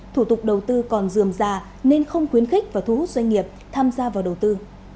thủ tục đầu tư còn dườm già nên không khuyến khích và thu hút doanh nghiệp tham gia vào đầu tư